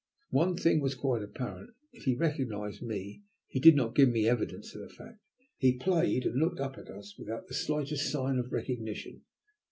One thing was quite apparent; if he recognized me, he did not give me evidence of the fact. He played and looked up at us without the slightest sign of recognition.